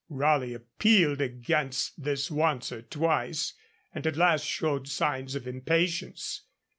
Raleigh appealed against this once or twice, and at last showed signs of impatience.